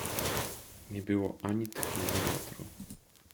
Nie było ani tchnienia wiatru.